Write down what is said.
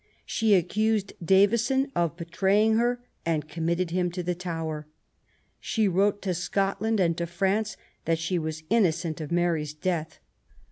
She accused Davison of betraying her, and committed him to the Tower. She wrote to Scotland and to France that she was innocent of Mary's death.